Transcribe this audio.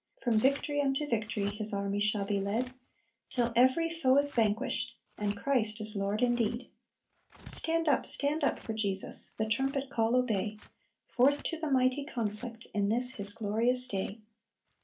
"From victory to victory His army shall be led, Till every foe is vanquished, And Christ is Lord indeed. "Stand up, stand up for Jesus! The trumpet call obey; Forth to the mighty conflict, In this His glorious day!"